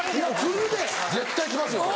絶対来ますよね。